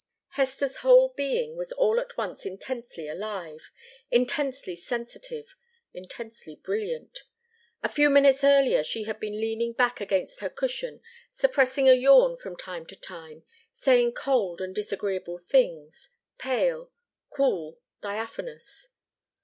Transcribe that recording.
Hester's whole being was all at once intensely alive, intensely sensitive, intensely brilliant. A few minutes earlier she had been leaning back against her cushion, suppressing a yawn from time to time, saying cold and disagreeable things, pale, cool, diaphanous.